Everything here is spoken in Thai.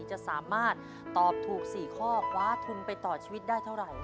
จะสามารถตอบถูก๔ข้อคว้าทุนไปต่อชีวิตได้เท่าไหร่